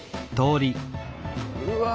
うわ。